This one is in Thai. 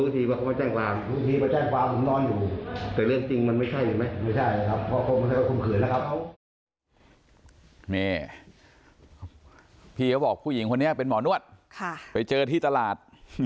นี่พี่เขาบอกผู้หญิงคนนี้เป็นหมอนวดไปเจอที่ตลาด